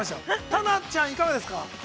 ◆タナちゃん、いかがですか。